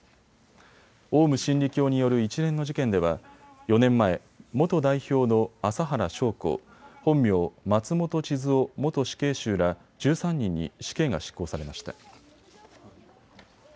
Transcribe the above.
オウム真理教による一連の事件では４年前、元代表の麻原彰晃、本名・松本智津夫元死刑囚ら１３人に死刑が執行されました。